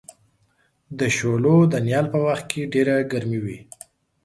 د شولو د نیال په وخت کې ډېره ګرمي وي.